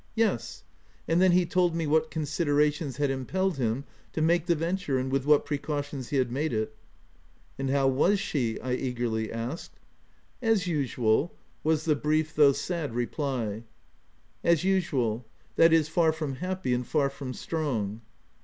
? Yes." And then he told me what con siderations had impelled him to make the venture, and with what precautions he had made it. "And how was she V* I eagerly asked. " As usual," was the brief though sad reply. a As usual — that is, far from happy and far from strong."